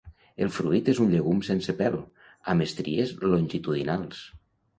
El fruit és un llegum sense pèl, amb estries longitudinals.